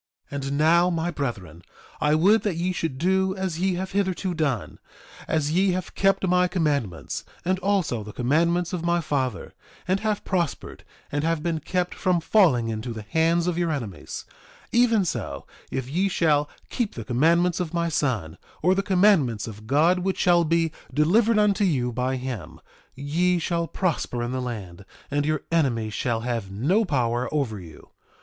2:31 And now, my brethren, I would that ye should do as ye have hitherto done. As ye have kept my commandments, and also the commandments of my father, and have prospered, and have been kept from falling into the hands of your enemies, even so if ye shall keep the commandments of my son, or the commandments of God which shall be delivered unto you by him, ye shall prosper in the land, and your enemies shall have no power over you.